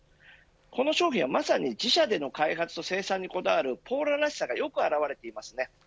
この商品はまさに自社での開発と生産にこだわるポーラらしさがよく表れています。